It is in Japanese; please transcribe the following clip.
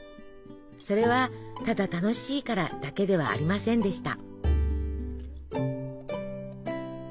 それはただ楽しいからだけではありませんでした。